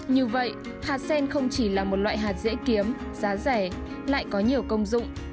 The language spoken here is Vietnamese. như vậy hạt sen không chỉ là một loại hạt dễ kiếm giá rẻ lại có nhiều công dụng